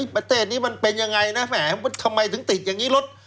ประเทศนี้มันเป็นยังไงนะแหมทำไมถึงติดอย่างนี้รถ